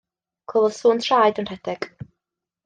Clywodd sŵn traed yn rhedeg.